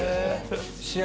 試合